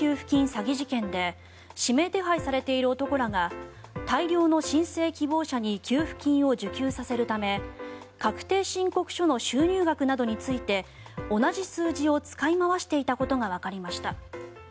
詐欺事件で指名手配されている男らが大量の申請希望者に給付金を受給させるため確定申告書の収入額について同じ数字を使い回していたことがわかりました。